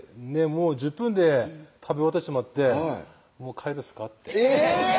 １０分で食べ終わってしまって「もう帰るっすか？」ってえぇ！